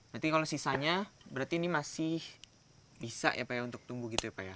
berarti kalau sisanya berarti ini masih bisa ya pak ya untuk tumbuh gitu ya pak ya